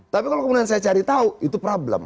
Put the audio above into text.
tapi kalau kemudian saya cari tahu itu problem